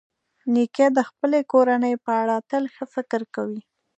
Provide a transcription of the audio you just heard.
نیکه د خپلې کورنۍ په اړه تل ښه فکر کوي.